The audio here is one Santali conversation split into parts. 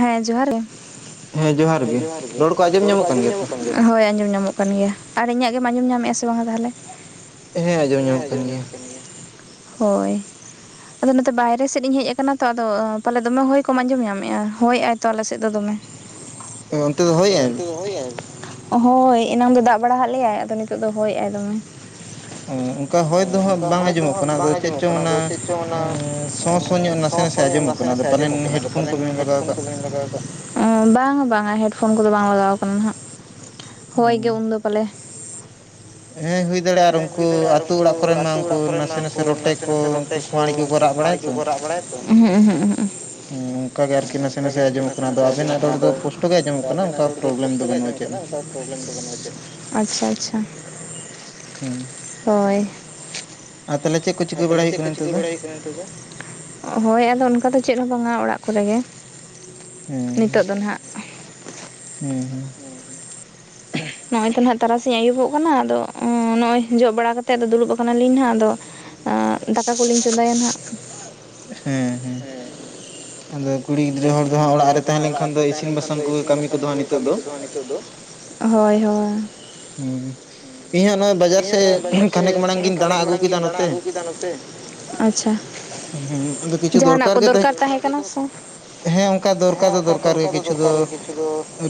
ᱦᱮᱸ ᱡᱚᱦᱟᱨ ᱜᱮ᱾ ᱦᱮᱸ ᱡᱚᱦᱟᱨ ᱜᱮ, ᱚᱲ ᱠᱚ ᱟᱸᱡᱚᱢ ᱧᱟᱢᱚᱜ ᱠᱟᱱ ᱜᱮᱭᱟ? ᱦᱳᱭ ᱟᱡᱚᱢ ᱧᱟᱢᱚᱜ ᱠᱟᱱ ᱜᱮᱭᱟ᱾ ᱟᱨ ᱤᱧᱟᱹᱜ ᱜᱮᱢ ᱟᱸᱡᱚᱢ ᱧᱟᱢᱮ-ᱟ ᱥᱮ ᱵᱟᱝᱟ ᱛᱟᱦᱞᱮ? ᱦᱮᱸ ᱟᱸᱡᱚᱢ ᱧᱟᱢᱚᱜ ᱠᱟᱱ ᱜᱮᱭᱟ᱾ ᱦᱳᱭ ᱟᱫᱚ ᱱᱚᱛᱮ ᱵᱟᱭᱨᱮ ᱥᱮᱫ ᱤᱧ ᱦᱮᱡ ᱟᱠᱟᱱᱟ ᱛᱚ ᱟᱫᱚ ᱯᱟᱞᱮ ᱫᱚᱢᱮ ᱦᱚᱭ ᱠᱚᱢ ᱟᱸᱡᱚᱢ ᱧᱟᱢ ᱢᱮᱜ-ᱟ ᱦᱚᱭᱮᱜᱟᱭ ᱛᱚ ᱟᱞᱮ ᱥᱮᱫ ᱫᱚ ᱫᱚᱢᱮ᱾ ᱚ ᱚᱱᱛᱮ ᱫᱚ ᱦᱚᱭᱮᱜ ᱟᱭ? ᱦᱚᱭᱟᱭ ᱦᱳᱭ ᱮᱱᱟᱝ ᱫᱚ ᱫᱟᱜ ᱵᱟᱲᱟ ᱦᱟᱫ ᱞᱮᱭᱟᱭ, ᱟᱫᱚ ᱱᱤᱛᱳᱜ ᱫᱚ ᱦᱚᱭᱮᱜ-ᱟᱭ ᱫᱚᱢᱮ᱾ [inaudible] ᱚ ᱚᱝᱠᱟ ᱦᱚᱭ ᱫᱚ ᱦᱟᱸᱜ ᱵᱟᱝ ᱟᱸᱡᱚᱢᱚᱜ ᱠᱟᱱᱟ, ᱟᱫᱚ ᱪᱮᱫ ᱪᱚᱝ ᱚᱱᱟ ᱮᱸ ᱥᱚᱸ ᱥᱚᱸ ᱧᱚᱜ ᱱᱟᱥᱮ ᱱᱟᱥᱮ ᱟᱸᱡᱚᱢᱚᱜ ᱠᱟᱱᱟ ᱫᱚ ᱯᱟᱞᱮᱱ ᱦᱮᱰᱯᱷᱳᱱ ᱠᱚᱵᱤᱱ ᱞᱟᱜᱟᱣ ᱠᱟᱫ? ᱞᱟᱜᱟᱣ ᱟᱠᱟᱜ, ᱵᱟᱝᱟ ᱵᱟᱝᱟ ᱦᱮᱰᱯᱷᱳᱱ ᱠᱚᱫᱚ ᱵᱟᱝ ᱞᱟᱜᱟᱣ ᱠᱟᱱᱟ ᱱᱦᱟᱸᱜ ᱦᱚᱭ ᱜᱮ ᱩᱱᱫᱚ ᱯᱟᱞᱮ ᱦᱮᱸ ᱦᱩᱭ ᱫᱟᱲᱮ-ᱟ ᱟᱨ ᱩᱝᱠᱩ ᱟᱹᱛᱩ ᱚᱲᱟᱜ ᱠᱚᱨᱮᱜ ᱢᱟ ᱩᱱᱠᱩ ᱱᱟᱥᱮ ᱱᱟᱥᱮ ᱨᱚᱴᱮ ᱠᱚ ᱩᱱᱠᱩ ᱥᱚᱶᱟᱲᱤ ᱠᱚᱠᱚ ᱨᱟᱜ ᱵᱟᱲᱟᱭ ᱠᱩ ᱠᱚ ᱨᱟᱜ ᱵᱟᱲᱟᱭᱟ ᱛᱚ, ᱩᱦᱩᱸᱜ ᱩᱦᱩᱸᱜ ᱩᱸ ᱱᱚᱝᱠᱟ ᱜᱮ ᱟᱨᱠᱤ ᱱᱟᱥᱮ ᱱᱟᱥᱮ ᱟᱸᱡᱚᱢᱚᱜ ᱠᱟᱱᱟ ᱟᱫᱚ, ᱟᱵᱮᱱᱟᱜ ᱨᱚᱲ ᱫᱚ ᱫᱚ ᱯᱳᱥᱴᱳ ᱜᱮ ᱟᱸᱡᱚᱢᱚᱜ ᱠᱟᱱᱟ ᱯᱚᱵᱞᱮᱢ ᱫᱚ ᱵᱟᱹᱱᱩᱜ-ᱟ, ᱟᱪᱪᱷᱟ ᱟᱪᱪᱷᱟ᱾ ᱦᱩᱸ ᱦᱚᱭ, ᱟᱨ ᱛᱟᱦᱞᱮ ᱪᱮᱜ ᱠᱚ ᱪᱤᱠᱟᱹ ᱵᱟᱲᱟᱭ ᱦᱩᱭᱩᱜ ᱠᱟᱱᱟ ᱱᱤᱛᱳᱜ ᱫᱚ? ᱦᱳᱭ ᱟᱫᱚ ᱚᱱᱠᱟ ᱫᱚ ᱪᱮᱫ ᱦᱚᱸ ᱵᱟᱝᱟ ᱚᱲᱟᱜ ᱠᱚᱨᱮ ᱜᱮ [inaudible] ᱦᱮᱸ ᱾ ᱱᱤᱛᱚᱜ ᱫᱚ ᱱᱟᱦᱟᱜ ᱾ ᱦᱩᱸ ᱦᱩᱸ ᱾ ᱱᱚᱜ-ᱚᱭ ᱛᱚ ᱱᱟᱸᱜ ᱛᱟᱨᱟᱥᱤᱧ ᱟᱹᱭᱩᱵᱚᱜ ᱠᱟᱱᱟ ᱟᱫᱚ ᱱᱚᱜ-ᱚᱭ ᱡᱚᱜ ᱵᱟᱲᱟ ᱠᱟᱛᱮᱫ ᱟᱫᱚ ᱫᱩᱲᱩᱵ ᱠᱟᱱᱟᱞᱤᱧ ᱦᱟᱸᱜ ᱾ ᱟᱫᱚ [inaudible] ᱦᱮᱸ ᱦᱮᱸ ᱾ ᱟᱫᱚ ᱠᱩᱲᱤ ᱜᱤᱫᱽᱨᱟᱹ ᱦᱚᱲ ᱫᱚ ᱦᱟᱸᱜ ᱚᱲᱟᱜ ᱨᱮ ᱛᱟᱦᱮᱸ ᱞᱮᱱᱠᱷᱟᱱ ᱫᱚ ᱤᱥᱤᱱ ᱵᱟᱥᱟᱝ ᱠᱚᱜᱮ ᱠᱟᱹᱢᱤ ᱠᱚᱫᱚ ᱦᱟᱸᱜ ᱱᱤᱛᱚᱜ ᱫᱚ ᱾ [inaudible] ᱦᱳᱭ ᱦᱳᱭ ᱾ ᱦᱩᱸ ᱤᱧ ᱦᱟᱸᱜ ᱱᱚᱜ-ᱚᱭ ᱵᱟᱡᱟᱨ ᱥᱮᱫ ᱠᱷᱟᱱᱮᱠ ᱢᱟᱲᱟᱝ ᱜᱤᱧ ᱫᱟᱬᱟ ᱟᱹᱜᱩ ᱠᱮᱫᱟ ᱱᱚᱛᱮ [inaudible] [inaudible] ᱦᱩᱸ ᱟᱫᱚ ᱠᱤᱪᱷᱩ ᱫᱚᱨᱠᱟᱨ ᱜᱮ ᱛᱟᱦᱮᱸ [inaudible] ᱦᱮᱸ ᱚᱱ ᱠᱟ ᱫᱚᱨᱠᱟᱨ ᱫᱚ ᱫᱚᱨᱠᱟᱨ ᱜᱮ ᱠᱤᱪᱷᱩ ᱫᱚ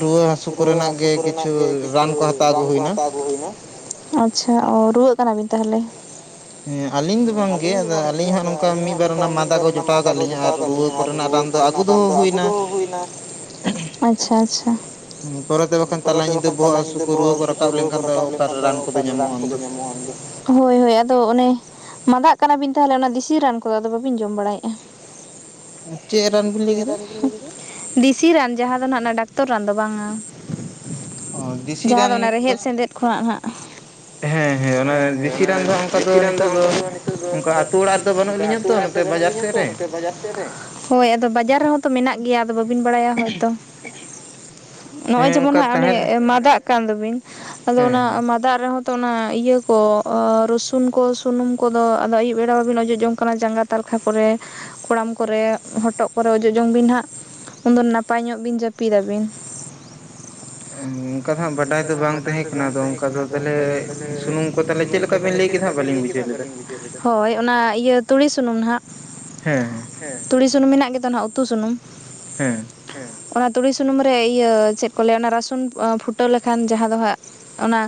ᱨᱩᱣᱟᱹ ᱦᱟᱹᱥᱩ ᱠᱚᱨᱮᱱᱟᱜ ᱜᱮ ᱠᱤᱪᱷᱩ ᱨᱟᱱ ᱠᱚ ᱦᱟᱛ ᱨᱟᱱ ᱠᱚ ᱦᱟᱛᱟᱣ ᱟᱹᱜᱩ ᱦᱩᱭ ᱮᱱᱟ ᱾ ᱟᱪᱪᱷᱟ ᱚ ᱨᱩᱣᱟᱹᱜ ᱠᱟᱱᱟᱵᱤᱱ ᱛᱟᱦᱚᱞᱮ? ᱦᱮᱸ ᱟᱞᱤᱧ ᱫᱚ ᱵᱟᱝᱜᱮ ᱟᱫᱚ ᱟᱹᱞᱤᱧ ᱦᱟᱸᱜ ᱱᱚᱝᱠᱟ ᱢᱤᱫ ᱵᱟᱨ ᱚᱱᱟ ᱢᱟᱫᱟ ᱠᱚ ᱡᱚᱴᱟᱣ ᱟᱠᱟᱫ ᱞᱤᱧᱟ ᱟᱨ ᱨᱩᱣᱟᱹ ᱠᱚᱨᱮᱱᱟᱜ ᱨᱟᱱ ᱫᱚ ᱟᱹᱜᱩ ᱫᱚ ᱦᱩᱭ ᱮᱱᱟ [inaudible] ᱟᱪᱪᱷᱟ ᱟᱪᱪᱷᱟ ᱾ [inaudible] ᱯᱚᱨᱮᱛᱮ ᱵᱟᱠᱷᱟᱱ ᱛᱟᱞᱟ ᱧᱤᱫᱟᱹ ᱵᱚᱦᱚᱜ ᱦᱟᱹᱥᱩ ᱠᱚ ᱨᱩᱣᱟᱹ ᱠᱚ ᱨᱟᱠᱟᱵ ᱞᱮᱱᱠᱷᱟᱱ ᱫᱚ ᱚᱠᱟᱨᱮ ᱨᱟᱱ ᱠᱚᱫᱚ ᱧᱟᱢᱚᱜ-ᱟ ᱩᱱᱫᱚ ᱾ ᱦᱳᱭ ᱦᱳᱭ ᱟᱫᱚ ᱚᱱᱮ ᱢᱟᱫᱟᱜ ᱠᱟᱱᱟᱵᱤᱱ ᱛᱟᱦᱚᱞᱮ ᱚᱱᱟ ᱫᱮᱥᱤ ᱨᱟᱱ ᱠᱚᱫᱚ ᱟᱫᱚ ᱵᱟᱵᱤᱱ ᱡᱚᱢ ᱵᱟᱲᱟᱭᱮᱫ-ᱟ? ᱪᱮᱫ ᱨᱟᱱ ᱵᱤᱱ ᱪᱮᱫ ᱨᱟᱱ ᱵᱤᱱ ᱞᱟᱹᱭ ᱠᱮᱫᱟ? ᱫᱮᱥᱤ ᱨᱟᱱ ᱡᱟᱦᱟᱸ ᱫᱚ ᱦᱟᱸᱜ ᱚᱱᱟ ᱰᱟᱠᱛᱚᱨ ᱨᱟᱱ ᱫᱚ ᱵᱟᱝ-ᱟ᱾ ᱡᱟᱦᱟᱸ ᱫᱚ ᱚᱱᱟ ᱨᱮᱦᱮᱫ ᱥᱮᱸᱫᱮᱫ ᱠᱷᱚᱱᱟᱜ ᱱᱟᱦᱟᱸᱜ ᱾ ᱦᱮᱸ ᱦᱮᱸ ᱚᱱᱟ ᱫᱮᱥᱤ ᱨᱟᱱ ᱫᱚ ᱦᱟᱸᱜ ᱚᱝᱠᱟ ᱫᱚ ᱱᱤᱛᱚᱜ ᱫᱚ ᱚᱝᱠᱟ ᱟᱹᱛᱩ ᱚᱲᱟᱜ ᱛᱚ ᱵᱟᱹᱱᱩᱜ ᱞᱤᱧᱟ ᱛᱚ ᱱᱚᱛᱮ ᱵᱟᱡᱟᱨ ᱥᱮᱫ ᱨᱮ ᱾ ᱦᱳᱭ ᱟ ᱫᱚ ᱵᱟᱡᱟᱨ ᱨᱮᱦᱚᱸ ᱛᱚ ᱢᱮᱱᱟᱜ ᱜᱮᱭᱟ ᱟᱫᱚ ᱵᱟᱹᱵᱤᱱ ᱵᱟᱲᱟᱭᱟ ᱦᱚᱭᱛᱚ ᱾ [inaudible] ᱱᱚᱜ-ᱚᱭ ᱡᱮᱢᱚᱱ ᱦᱟᱸᱜ ᱚᱱᱮ ᱢᱟᱫᱟᱜ ᱠᱟᱱ ᱫᱚᱵᱤᱱ ᱟᱫᱚ ᱚᱱᱟ ᱢᱟᱫᱟᱜ ᱨᱮᱦᱚᱸ ᱛᱚ ᱚᱱᱟ ᱤᱭᱟᱹ ᱠᱚ ᱨᱚᱥᱩᱱ ᱠᱚ ᱥᱩᱱᱩᱢ ᱠᱚᱫᱚ ᱟᱫᱚ ᱟᱹᱭᱩᱵ ᱵᱮᱲᱟ ᱵᱟᱵᱤᱱ ᱚᱡᱚᱜ ᱡᱚᱝ ᱠᱟᱱᱟ ᱡᱟᱸᱜᱟ ᱛᱟᱞᱠᱷᱟ ᱠᱚᱨᱮ ᱠᱚᱲᱟᱢ ᱠᱚᱨᱮ ᱦᱚᱴᱚᱜ ᱠᱚᱨᱮ ᱚᱡᱚᱜ ᱡᱚᱝ ᱵᱤᱱ ᱦᱟᱸᱜ [inaudible] ᱩᱱᱫᱚ ᱱᱟᱯᱟᱭ ᱧᱚᱜ ᱵᱤᱱ ᱡᱟᱹᱯᱤᱫ ᱟᱵᱤᱱ᱾ ᱚᱱᱠᱟ ᱫᱚ ᱦᱟᱸᱜ ᱵᱟᱰᱟᱭ ᱫᱚ ᱵᱟᱝ ᱛᱟᱦᱮᱸ ᱠᱟᱱᱟ ᱾ ᱟᱫᱚ ᱚᱱᱠᱟ ᱫᱚ ᱛᱟᱦᱚᱞᱮ ᱥᱩᱱᱩᱢ ᱛᱚ ᱛᱟᱦᱚᱞᱮ ᱪᱮᱫ ᱞᱮᱠᱟ ᱵᱤᱱ ᱞᱟᱹᱭ ᱠᱮᱫᱟ ᱦᱟᱸᱜ ᱵᱟᱞᱤᱧ ᱵᱩᱡᱷᱟᱹᱣ ᱞᱮᱫᱟ ᱾ ᱦᱳᱭ ᱚᱱᱟ ᱤᱭᱟᱹ ᱛᱩᱲᱤ ᱥᱩᱱᱩᱢ ᱱᱟᱦᱟᱸᱜ ᱦᱮᱸ ᱾ ᱦᱮᱸ ᱾ ᱛᱩᱲᱤ ᱥᱩᱱᱩᱢ ᱢᱮᱱᱟᱜ ᱜᱮᱫᱚ ᱱᱟᱦᱟᱸᱜ ᱩᱛᱩ ᱥᱩᱱᱩᱢ ᱦᱮᱸ ᱾ ᱚᱱᱟ ᱛᱩᱲᱤ ᱥᱩᱱᱩᱢ ᱨᱮ ᱤᱭᱟᱹ ᱪᱮᱫ ᱠᱚ ᱞᱟᱹᱭᱟ ᱚᱱᱟ ᱨᱟᱹᱥᱩᱱ ᱯᱷᱩ ᱴᱟᱹᱣ ᱞᱮᱠᱷᱟᱱ ᱡᱟᱦᱟᱸ ᱫᱚ ᱦᱟᱸᱜ ᱚᱱᱟ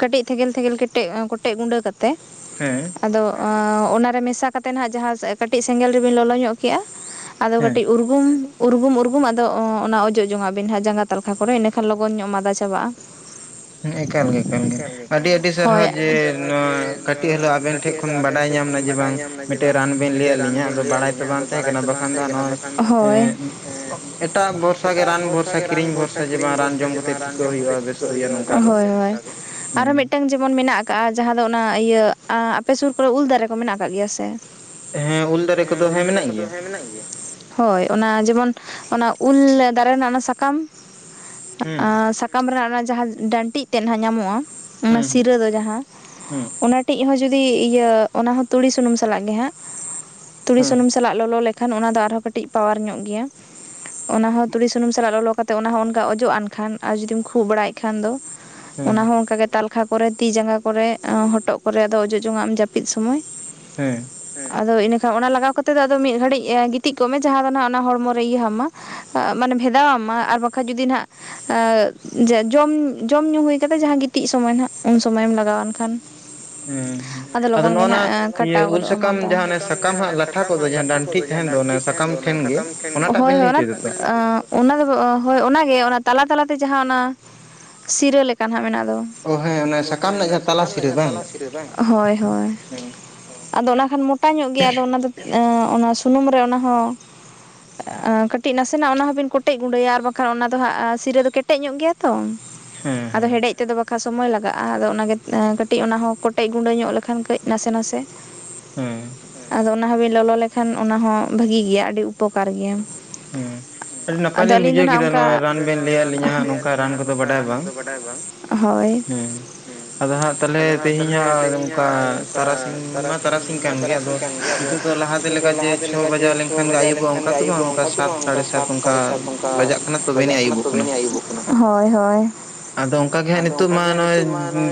ᱠᱟᱹᱴᱤᱡ ᱛᱷᱮᱜᱮᱞ ᱛᱷᱮᱜᱮᱞ ᱠᱮᱴᱮᱡ ᱠᱚᱴᱮᱡ ᱜᱩᱸᱰᱟᱹ ᱠᱟᱛᱮ ᱦᱮᱸ ᱾ ᱟᱫᱚ ᱚᱱᱟᱨᱮ ᱢᱮᱥᱟ ᱠᱟᱛᱮ ᱱᱟᱦᱟᱸᱜ ᱡᱟᱦᱟᱸ ᱠᱟᱹᱴᱤᱡ ᱥᱮᱸᱜᱮᱞ ᱨᱮᱵᱤᱱ ᱞᱚᱞᱚ ᱧᱚᱜ ᱠᱮᱜ-ᱟ ᱟᱫᱚ ᱠᱟᱹᱴᱤᱡ ᱩᱨ ᱜᱩᱢ ᱩᱨᱜᱩᱢ ᱩᱨᱜᱩᱢ ᱟᱫᱚ ᱚᱱᱟ ᱚᱡᱚᱜ ᱡᱚᱝᱟᱜ ᱵᱤᱱ ᱦᱟᱸᱜ ᱡᱟᱸᱜᱟ ᱛᱟᱞᱠᱷᱟ ᱠᱚᱨᱮ ᱤᱱᱟᱹᱠᱷᱟᱱ ᱞᱚᱜᱚᱱ ᱧᱚᱜ ᱢᱟᱫᱟ ᱪᱟᱵᱟᱜ-ᱟ ᱾ [inaudible] ᱮᱠᱟᱞᱜᱮ ᱮᱠᱟᱞᱜᱮ, ᱦᱳᱭ ᱾ ᱟᱹᱰᱤ ᱥᱟᱨᱦᱟᱣ ᱡᱮ ᱱᱚᱣᱟ ᱠᱟᱹᱴᱤᱡ ᱟᱫᱚ ᱟᱵᱮᱱ ᱴᱷᱮᱱ ᱠᱷᱚᱱ ᱵᱟᱰᱟᱭ ᱧᱟᱢ ᱮᱱᱟ ᱡᱮ ᱵᱟᱝ ᱢᱤᱫᱴᱮᱡ ᱨᱟᱱ ᱵᱮᱱ ᱞᱟᱹᱭᱟᱫ ᱞᱤᱧᱟᱹ ᱟᱫᱚ ᱵᱟᱲᱟᱭ ᱫᱚ ᱵᱟᱝ ᱛᱟᱦᱮᱸ ᱠᱟᱱᱟ ᱵᱟᱠᱷᱟᱱ ᱫᱚ ᱦᱳᱭ ᱾ ᱦᱮᱸ ᱮᱴᱟᱜ ᱵᱷᱚᱨᱥᱟ ᱜᱮ ᱨᱟᱱ ᱵᱷᱚᱨᱥᱟ ᱠᱤᱨᱤᱧ ᱵᱷᱚᱨᱥᱟ ᱡᱮ ᱵᱟᱝ ᱨᱟᱱ ᱡᱚᱢ ᱠᱟᱛᱮ ᱜᱤᱛᱤᱡ ᱠᱚᱜ ᱦᱩᱭᱩᱜ-ᱟ ᱾ ᱦᱳᱭ ᱦᱳᱭ ᱟᱨᱚ ᱢᱤᱫᱴ ᱟᱝ ᱡᱮᱢᱚᱱ ᱢᱮᱱᱟᱜ ᱟᱠᱟᱫ-ᱟ ᱡᱟᱦᱟᱸ ᱚᱱᱟ ᱤᱭᱟᱹ ᱟᱯᱮ ᱥᱩᱨ ᱠᱚᱨᱮ ᱩᱞ ᱫᱟᱨᱮ ᱠᱚ ᱢᱮᱱᱟᱜ ᱟᱠᱟᱫ ᱜᱮᱭᱟ ᱥᱮ ᱾ ᱦᱮᱸ ᱩᱞ ᱫᱟᱨᱮ ᱠᱚᱫᱚ ᱦᱮᱸ ᱢᱮᱱᱟᱜ ᱜᱮᱭᱟ᱾ ᱦᱳᱭ ᱚᱱᱟ ᱡᱮᱢᱚᱱ ᱚᱱᱟ ᱩᱞ ᱫᱟᱨᱮ ᱨᱮᱱᱟᱜ ᱚᱱᱟ ᱥᱟᱠᱟᱢ ᱟᱸ ᱥᱟ ᱠᱟᱢ ᱨᱮᱱᱟᱜ ᱚᱱᱟ ᱡᱟᱦᱟᱸ ᱰᱟᱹᱱᱴᱤᱡ ᱛᱮᱫ ᱱᱟᱦᱟᱜ ᱧᱟᱢᱚᱜᱼᱟ ᱚᱱᱟ ᱥᱤᱨᱟᱹ ᱫᱚ ᱡᱟᱦᱟᱸ ᱚᱱᱟ ᱴᱤᱡ ᱦᱚᱸ ᱡᱩᱫᱤ ᱤᱭᱟᱹ ᱚᱱᱟᱦᱚᱸ ᱛᱩᱲᱤ ᱥᱩᱱᱩᱢ ᱥᱟᱞᱟᱜ ᱜᱮ ᱦᱟᱸᱜ, ᱛᱩᱲᱤ ᱥᱩᱱᱩᱢ ᱥᱟᱞᱟᱜ ᱞᱚᱞᱚ ᱞᱮᱠ ᱠᱷᱟᱱ ᱚᱱᱟ ᱫᱚ ᱟᱨᱦᱚᱸ ᱠᱟᱹᱴᱤᱡ ᱯᱟᱣᱟᱨ ᱧᱚᱜ ᱜᱮᱭᱟ᱾ ᱚᱱᱟ ᱦᱚᱸ ᱛᱩᱲᱤ ᱥᱩᱱᱩᱢ ᱥᱟᱞᱟᱜ ᱞᱚᱞᱚ ᱠᱟᱛᱮᱜ ᱚᱱᱟᱦᱚᱸ ᱚᱱᱠᱟ ᱚᱡᱚᱜᱼᱟᱱ ᱠᱷᱟᱱ ᱟᱨ ᱡᱩᱫᱤᱢ ᱠᱷᱩᱜ ᱵᱟᱲᱟᱭᱮᱫ ᱠᱷᱟᱱ ᱫᱚ ᱚᱱᱟ ᱦᱚᱸ ᱚᱱᱠᱟ ᱜᱮ ᱛᱟᱞ ᱠᱷᱟ ᱠᱚᱨᱮ ᱛᱤ ᱡᱟᱸᱜᱟ ᱠᱚᱨᱮ ᱚᱸ ᱦᱚᱴᱚᱜ ᱠᱚᱨᱮ ᱟᱫᱚ ᱚᱡᱚᱜ ᱡᱚᱢᱟᱜ ᱟᱢ ᱡᱟᱹᱯᱤᱫ ᱥᱚᱢᱚᱭ᱾ ᱦᱮᱸ᱾ ᱟᱫᱚ ᱤᱱᱟᱹᱠᱷᱟᱱ ᱚᱱᱟ ᱞᱟᱜᱟᱣ ᱠᱟᱛᱮ ᱫᱚ ᱟᱫᱚ ᱢᱤᱫ ᱜᱷᱟᱹᱲᱤᱡ ᱮᱸ ᱜᱤᱛᱤᱡ ᱠᱚᱜ ᱢᱮ ᱡᱟᱦᱟᱸ ᱫᱚ ᱱᱟᱦᱟᱜ ᱚᱱᱟ ᱦᱚᱲᱢᱚ ᱨᱮ ᱤᱭᱟᱹ ᱦᱟᱢᱟ᱾ ᱟ ᱢᱟᱱᱮ ᱵᱷᱮᱫᱟ ᱟᱢ ᱢᱟ ᱟᱨ ᱵᱟᱠᱷᱟᱡ ᱡᱩᱫᱤ ᱱᱟᱦᱟᱜ ᱮ ᱡᱮ ᱡᱚᱢ ᱡᱚᱢ ᱧᱩ ᱦᱩᱭ ᱠᱟᱛᱮ ᱡᱟᱦᱟᱸ ᱜᱤᱛᱤᱡ ᱥᱚᱢᱚᱭ ᱱᱟᱦᱟᱜ ᱩᱱ ᱥᱚᱢᱚᱭᱮᱢ ᱞᱟᱜᱟᱣᱟᱱ ᱠᱷᱟᱱ᱾ [inaudible] ᱦᱩᱸ ᱦᱩᱸ ᱟᱫᱚ ᱱᱚᱜ-ᱚ ᱱᱟ ᱤᱭᱟᱹ ᱩᱞ ᱥᱟᱠᱟᱢ ᱡᱟᱦᱟᱸ ᱚᱱᱮ ᱥᱟᱠᱟᱢ ᱦᱟᱸᱜ ᱞᱟᱴᱷᱟ ᱠᱚᱜ ᱫᱚ ᱡᱟᱦᱟᱸ ᱰᱟᱱᱴᱷᱤᱡ ᱛᱟᱦᱮᱱ ᱫᱚ ᱚᱱᱟ ᱥᱟᱠᱟᱢ ᱴᱷᱮᱱ ᱜᱮ ᱚᱱᱟᱴᱟᱜ ᱵᱤᱱ ᱞᱮᱭ ᱦᱚᱪᱚᱭ ᱫᱟᱛᱚ? ᱚᱱᱟ ᱫᱚᱵᱚ ᱦᱳᱭ ᱚᱱᱟᱜᱮ ᱚᱱᱟ ᱛᱟᱞᱟ ᱛᱟᱞᱟᱛᱮ ᱡᱟᱦᱟᱸ ᱚᱱᱟ ᱥᱤᱨᱟᱹ ᱞᱮᱠᱟ ᱱᱟᱦᱟᱜ ᱢᱮᱱᱟᱜ ᱫᱚ᱾ ᱚ ᱦᱮᱸ ᱚᱱᱟ ᱥᱟᱠᱟᱢ ᱨᱮᱱᱟᱜ ᱡᱟᱦᱟᱸ ᱛᱟᱞᱟ ᱥᱤᱸᱨᱟ ᱵᱟᱝ? ᱦᱳᱭ ᱦᱳᱭ᱾ ᱟᱫᱚ ᱚᱱᱟ ᱠᱷᱟᱱ ᱢᱚᱴᱟ ᱧᱚᱜ ᱜᱮᱭᱟ ᱟᱫᱚ ᱚᱱᱟ ᱫᱚ ᱮᱸ ᱚᱱᱟ ᱥᱩᱱᱩᱢ ᱨᱮ ᱚᱱᱟ ᱦᱚᱸ ᱟᱸ ᱠᱟᱹᱴᱤᱡ ᱱᱟᱥᱮᱱᱟᱜ ᱚᱱᱟ ᱦᱚᱸᱵᱤᱱ ᱠᱚᱴᱮᱡ ᱜᱩᱸᱰᱟᱹᱭᱟ ᱟᱨ ᱵᱟᱝᱠᱷᱟᱱ ᱚᱱᱟ ᱫᱚ ᱦᱟᱸᱜ ᱥᱤᱨᱟᱹ ᱫᱚ ᱠᱮ ᱴᱮᱡ ᱧᱚᱜ ᱜᱮᱭᱟ ᱛᱚ, ᱟᱫᱚ ᱦᱮᱰᱮᱡ ᱛᱮᱫᱚ ᱵᱟᱠᱷ ᱠᱷᱟᱡ ᱥᱚᱢᱚᱭ ᱞᱟᱜᱟᱜᱼᱟ ᱟᱫᱚ ᱚᱱᱟᱜᱮ ᱮᱸ ᱠᱟᱹᱴᱤᱡ ᱚᱱᱟ ᱦᱚᱸ ᱠᱚᱴᱮᱡ ᱜᱩᱸᱰᱟᱹ ᱧᱚᱜ ᱞᱮᱠᱷᱟᱱ ᱠᱟᱹᱡ ᱱᱟᱥᱮ ᱱᱟᱥᱮ ᱦᱮᱸ᱾ ᱟᱫᱚ ᱚᱱᱟ ᱦᱚᱸᱵᱤᱱ ᱞᱚᱞᱚ ᱞᱮᱠᱷᱟᱱ ᱚᱱᱟ ᱦᱚᱸ ᱵᱷᱟᱜᱤ ᱜᱮᱭᱟ ᱟᱹᱰᱤ ᱩᱯᱚᱠᱟᱨ ᱜᱮᱭᱟ ᱟᱫᱚ ᱟᱹᱞᱤᱧ ᱫᱚ ᱱᱟᱦᱟᱜ ᱚᱝᱠᱟ ᱟᱢᱮᱢ ᱞᱮᱭᱟᱫ ᱞᱤᱧᱟ ᱡᱟᱸᱜ ᱱᱚᱝᱠᱟᱱ ᱨᱟᱱ ᱠᱚᱫᱚ ᱵᱟᱰᱟᱭ ᱵᱟᱝ ᱦᱳᱭ᱾ ᱟᱫᱚ ᱦᱟᱸᱜ ᱛᱟᱞᱦᱮ ᱛᱮᱦᱮᱧᱟᱜ ᱱᱚᱝᱠᱟ ᱛᱟᱨᱟᱥᱤᱧ ᱢᱟ ᱛᱟᱨᱟᱥᱤᱧ ᱠᱟᱱ ᱜᱮᱭᱟ ᱟᱫᱚ ᱱᱤᱛᱳᱜ ᱫᱚ ᱞᱟᱦᱟᱛᱮ ᱞᱮᱠᱟ ᱡᱮ ᱪᱷᱚ ᱵᱟᱡᱟᱣ ᱞᱮᱱᱠᱷᱟᱱ ᱜᱮ ᱟᱭᱩᱵᱚᱜ-ᱟ ᱚᱝᱠᱟ ᱫᱚ [inaudible] ᱚᱝᱠᱟ ᱥᱟᱛ ᱥᱟᱲᱮ ᱥᱟᱛ ᱚᱱᱠᱟ ᱵᱟᱡᱟᱜ ᱠᱟᱱᱟ ᱛᱚᱵᱮ ᱱᱤᱡ ᱟᱹᱭᱩᱵᱚᱜ ᱠᱟᱱᱟ, ᱦᱳᱭ ᱦᱳᱭ᱾ ᱟᱫᱚ ᱚᱝᱠᱟ ᱜᱮ ᱦᱟᱸᱜ ᱱᱤᱛᱳ ᱢᱟ ᱱᱚᱜᱼᱚᱭ